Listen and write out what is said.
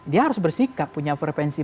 dia harus bersikap punya frevensi